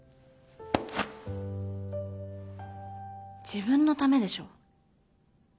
自分のためでしょ。